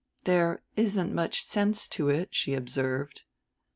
"_ "There isn't much sense to it," she observed.